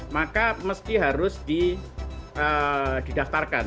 maka mesti harus didaftarkan